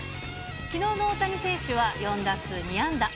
きのうの大谷選手は、４打数２安打。